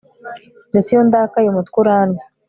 ndetse iyo ndakaye umutwe urandya